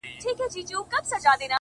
څنگه دي وستايمه؛